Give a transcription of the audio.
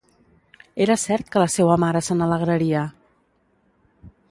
Era cert que la seua mare se n'alegraria!